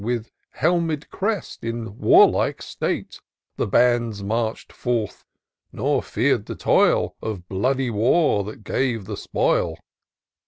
With helmed crest, in warlike state, The bands marched forth, nor fear'd the toil Of bloody war that gave the spoil.